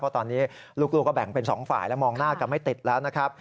เพราะตอนนี้ลูกก็แบ่งเป็น๒ฝ่ายแล้วมองหน้ากันไม่ติดแล้วนะครับ